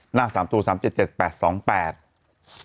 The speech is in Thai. หน้า๓ตัว๓๗๗๘๒๘